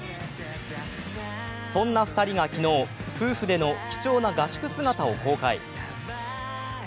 そんな２人が昨日、夫婦での貴重な合宿姿を公開。